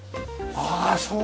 ああそう。